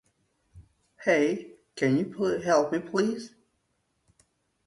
Metcalfe is still one of the most common surnames in Yorkshire.